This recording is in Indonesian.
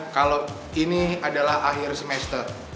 kalau ini adalah akhir semester